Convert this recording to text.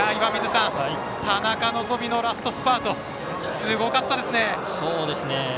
田中希実のラストスパートすごかったですね。